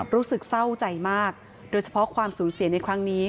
รู้สึกเศร้าใจมากโดยเฉพาะความสูญเสียในครั้งนี้